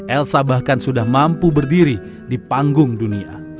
elsa bahkan sudah mampu berdiri di panggung dunia